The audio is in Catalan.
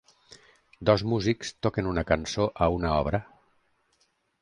Dos músics toquen una cançó a una obra.